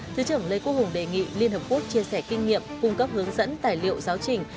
thứ trưởng lê quốc hùng đề nghị liên hợp quốc chia sẻ kinh nghiệm cung cấp hướng dẫn tài liệu giáo trình